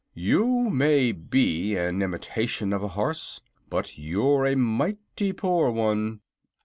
You may be an imitation of a horse, but you're a mighty poor one."